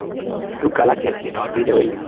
Duka lake lina wateja wengi